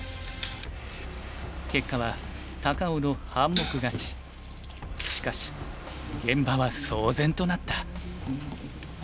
結果はしかし現場は騒然となった。